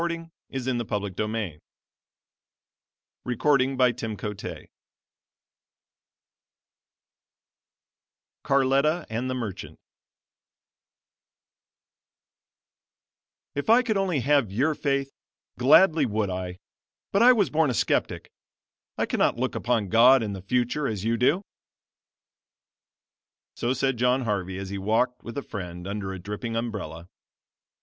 Luella Watson Kinder, in Christian Witness CARLETTA AND THE MERCHANT "If I could only have your faith, gladly would I but I was born a skeptic. I cannot look upon God and the future as you do." So said John Harvey as he walked with a friend under a dripping umbrella.